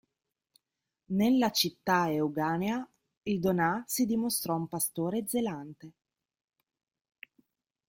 Nella città euganea il Donà si dimostrò un pastore zelante.